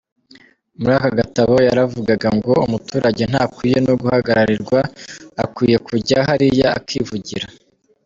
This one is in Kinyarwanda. Muri ako gatabo yaravugaga ngo umuturage ntakwiye no guhagararirwa, akwiye kujya hariya akivugira.